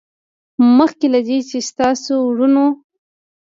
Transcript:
نوټ: مخکې له دې چې ستاسې وروڼو